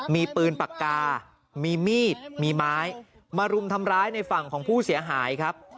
มีปืนปากกามีมีดมีไม้มารุมทำร้ายในฝั่งของผู้เสียหายครับ